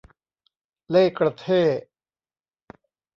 เล่ห์กระเท่ห์